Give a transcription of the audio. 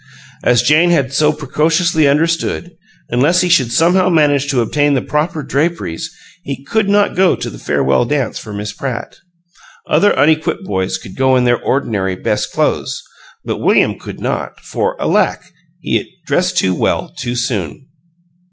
As Jane had so precociously understood, unless he should somehow manage to obtain the proper draperies he could not go to the farewell dance for Miss Pratt. Other unequipped boys could go in their ordinary "best clothes," but William could not; for, alack! he had dressed too well too soon!